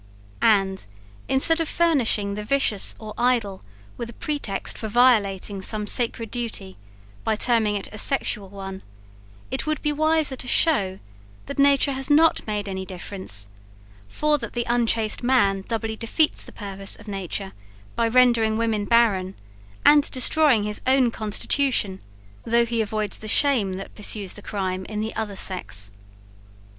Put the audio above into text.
And, instead of furnishing the vicious or idle with a pretext for violating some sacred duty, by terming it a sexual one, it would be wiser to show, that nature has not made any difference, for that the unchaste man doubly defeats the purpose of nature by rendering women barren, and destroying his own constitution, though he avoids the shame that pursues the crime in the other sex.